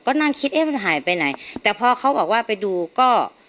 ก็นั่งคิดเอ๊ะมันหายไปไหนแต่พอเขาบอกว่าไปดูก็